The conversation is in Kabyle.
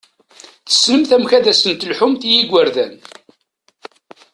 Tessnemt amek ad sen-telḥumt i yigurdan!